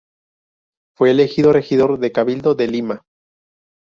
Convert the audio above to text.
Fue elegido regidor del cabildo de Lima.